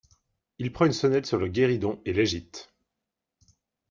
Il prend une sonnette sur le guéridon et l’agite.